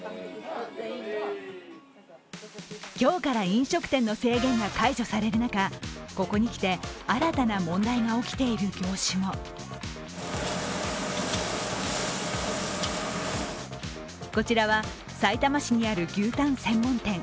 今日から飲食店の制限が解除される中、ここに来て、新たな問題が起きている業種もこちらは、さいたま市にある牛タン専門店。